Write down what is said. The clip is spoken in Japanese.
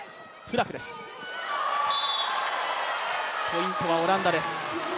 ポイントはオランダです。